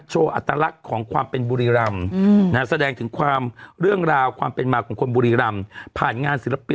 อัตลักษณ์ของความเป็นบุรีรำแสดงถึงความเรื่องราวความเป็นมาของคนบุรีรำผ่านงานศิลปิน